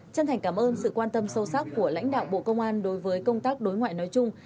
chân thành cảm ơn sự quan tâm sâu sắc của lãnh đạo bộ công an đối với công tác đối ngoại nói chung